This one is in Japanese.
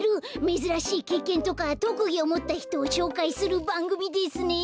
めずらしいけいけんとかとくぎをもったひとをしょうかいするばんぐみですね。